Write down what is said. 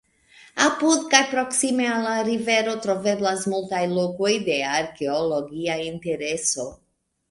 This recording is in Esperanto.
Apud kaj proksime al la rivero troveblas multaj lokoj de arkeologia intereso.